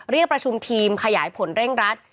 เรียกประชุมทีมขยายผลเร่งรัด